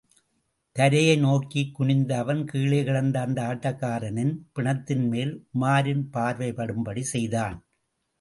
தரையை நோக்கிக் குனிந்த அவன் கீழே கிடந்த அந்த ஆட்டக்காரனின் பிணத்தின் மேல் உமாரின் பார்வை படும்படி செய்தான்.